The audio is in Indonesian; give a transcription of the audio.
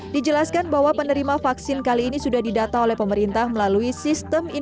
dijelaskan bahwa penerima vaksin kali ini sudah didata oleh pemerintah melalui sistem informasi